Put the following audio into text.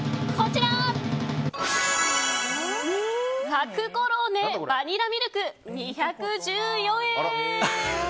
サクコローネバニラミルク２１４円。